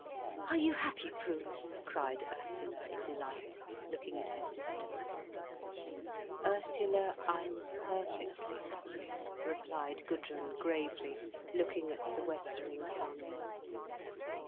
"Are you happy, Prune?" cried Ursula in delight, looking at her sister. "Ursula, I'm perfectly happy," replied Gudrun gravely, looking at the westering sun.